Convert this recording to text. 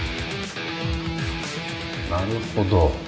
なるほど。